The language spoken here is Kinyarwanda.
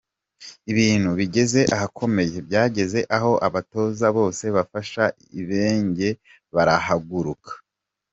Ibintu bigeze ahakomeye! Byageze aho abatoza bose bafasha Ibenge barahaguruka .